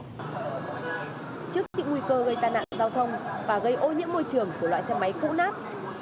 trước những nguy cơ gây tai nạn giao thông và gây ô nhiễm môi trường của loại xe máy cũ nát